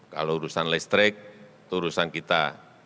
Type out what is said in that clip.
kalau urusan listrik itu urusan kita